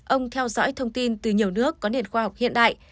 ông theo dõi thông tin từ nhiều nước có nền khoa học hiện đại